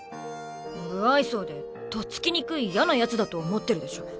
不愛想でとっつきにくいヤな奴だと思ってるでしょ？